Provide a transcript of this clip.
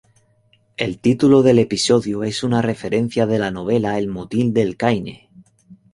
El título del episodio es una referencia de la novela "El motín del Caine".